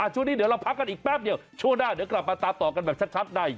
ช่วงนี้เดี๋ยวเราพักกันอีกแป๊บเดียวช่วงหน้าเดี๋ยวกลับมาตามต่อกันแบบชัดใน